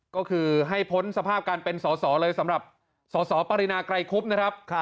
ก็คือให้พ้นสภาพการเป็นสอสอเลยสำหรับสสปรินาไกรคุบนะครับ